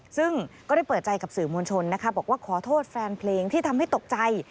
ซึ่งก็ได้เปิดใจกับสื่อมวลชนนะคะบอกว่าขอโทษแฟนเพลงที่ทำให้ตกใจ